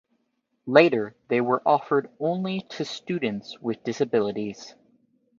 Later, they were offered only to students with disabilities.